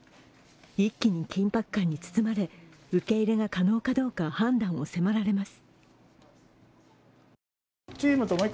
一気に緊迫感に包まれ、受け入れが可能かどうか判断を迫られます。